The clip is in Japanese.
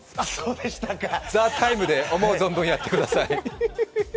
「ＴＨＥＴＩＭＥ，」で思う存分やってください。